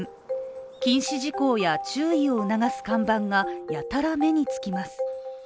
禁止事項や注意を促す看板がやたら目につきます。